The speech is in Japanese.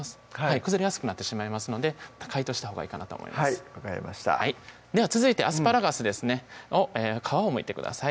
崩れやすくなってしまいますので解凍したほうがいいかなとはい分かりましたでは続いてアスパラガスですねを皮をむいてください